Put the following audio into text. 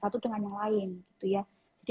satu dengan yang lain jadi